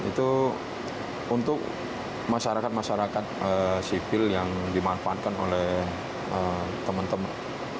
itu untuk masyarakat masyarakat sipil yang dimanfaatkan oleh teman teman